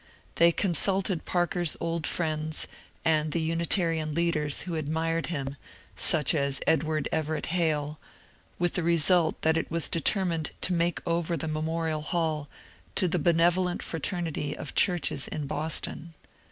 They consulted Parker*s old friends and the Unitarian leaders who ad mired him — such as Edward Everett Hale — with the result that it was determined to make over the Memorial Hall to the Benevolent Fraternity of Churches in Boston.